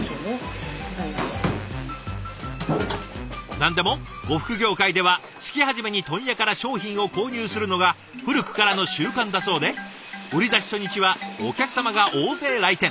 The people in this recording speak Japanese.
何でも呉服業界では月初めに問屋から商品を購入するのが古くからの習慣だそうで売り出し初日はお客様が大勢来店。